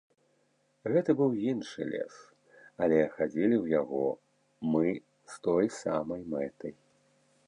Гэта быў іншы лес, але хадзілі ў яго мы з той самай мэтай.